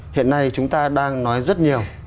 hiện nay chúng ta đang nói rất nhiều